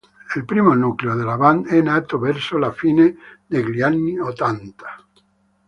Il primo nucleo della band è nato verso la fine degli anni ottanta.